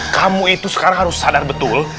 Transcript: kamu itu sekarang harus sadar betul